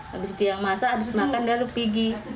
habis dia yang masak habis makan dia pergi